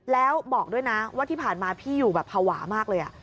แล้วบอกด้วยนะว่าที่ผ่านมาพี่อยู่แบบภาวะมากเลย